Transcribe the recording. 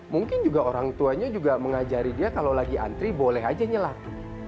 mungkin juga orang tuanya juga mengajari dia kalau lagi antri boleh aja nyelap